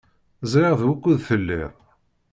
Ẓriɣ d wukud telliḍ.